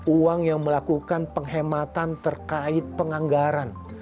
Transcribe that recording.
uang yang melakukan penghematan terkait penganggaran